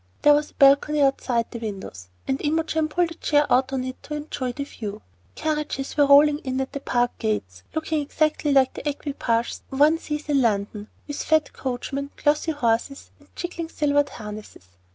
There was a balcony outside the windows, and Imogen pulled a chair out on it to enjoy the view. Carriages were rolling in at the Park gates, looking exactly like the equipages one sees in London, with fat coachmen, glossy horses, and jingling silvered harness.